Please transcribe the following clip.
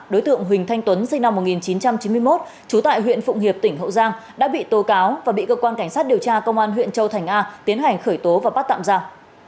đối tượng huỳnh thanh tuấn sinh năm một nghìn chín trăm chín mươi một trú tại huyện phụng hiệp tỉnh hậu giang đã bị tố cáo và bị cơ quan cảnh sát điều tra công an huyện châu thành a tiến hành khởi tố và bắt tạm giam